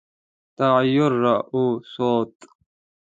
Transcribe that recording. تغییر را ووست.